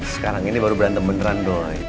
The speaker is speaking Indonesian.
sekarang ini baru berantem beneran doang